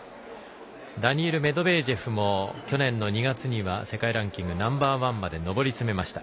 ダニール・メドベージェフも去年の２月には世界ランキングナンバーワンまで上り詰めました。